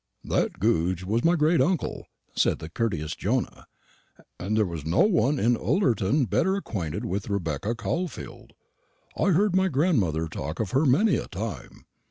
"That Goodge was my great uncle," said the courteous Jonah, "and there was no one in Ullerton better acquainted with Rebecca Caulfield. I've heard my grandmother talk of her many a time.